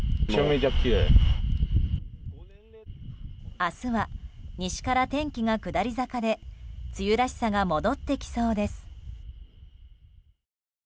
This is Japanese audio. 明日は西から天気が下り坂で梅雨らしさが戻ってきそうです。